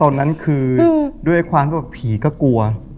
ตอนนั้นคือด้วยความที่แบบผีก็กลัว